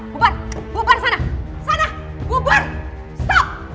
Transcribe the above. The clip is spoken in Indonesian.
bubur bubur sana sana bubur stop